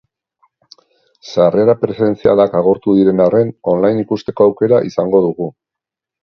Sarrera presentzialak agortu diren arren, online ikusteko aukera izango dugu.